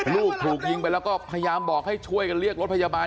ลูกถูกยิงไปแล้วก็พยายามบอกให้ช่วยกันเรียกรถพยาบาล